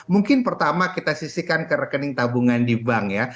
mungkin pertama kita sisihkan ke rekening tabungan di bank ya